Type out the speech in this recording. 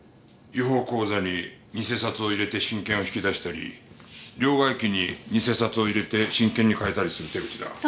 違法口座に偽札を入れて真券を引き出したり両替機に偽札を入れて真券に替えたりする手口だ。